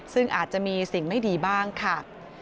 ซึ่งอาจจะมีสิ่งไม่ดีบ้างค่ะ